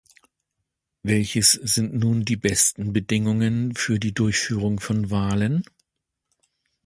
Welches sind nun die besten Bedingungen für die Durchführung von Wahlen?